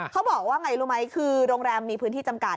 เขาบอกว่าไงรู้ไหมคือโรงแรมมีพื้นที่จำกัด